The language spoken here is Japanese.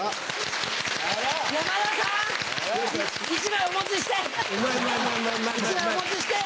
１枚お持ちして！